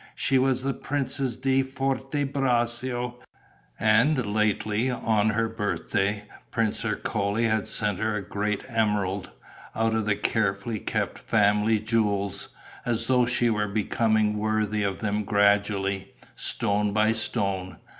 She was the Princess di Forte Braccio; and lately, on her birthday, Prince Ercole had sent her a great emerald, out of the carefully kept family jewels, as though she were becoming worthy of them gradually, stone by stone!